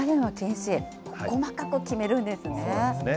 細かく決めるんですね。